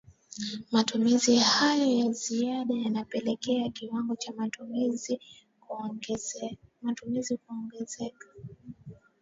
matumizi hayo ya ziada yanapelekea kiwango cha matumizi kuongezea